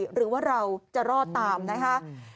หรือว่าเราจะรอดตามนะคะ